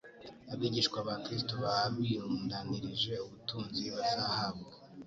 abigishwa ba Kristo baba birundanirije ubutunzi bazahabwa